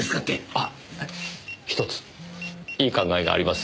あっひとついい考えがあります。